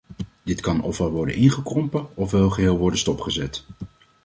Dit kan ofwel worden ingekrompen ofwel geheel worden stopgezet.